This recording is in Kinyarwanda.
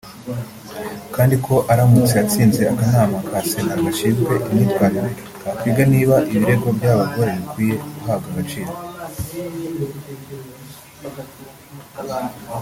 kandi ko aramutse atsinze akanama ka Sena gashinzwe imyitwarire kakwiga niba ibirego by’aba bagore bikwiye guhabwa agaciro